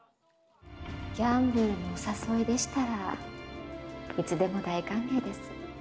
ギャンブルの誘いでしたらいつでも大歓迎です。